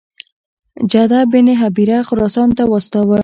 جعده بن هبیره خراسان ته واستاوه.